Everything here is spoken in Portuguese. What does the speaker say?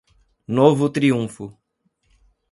Novo Triunfo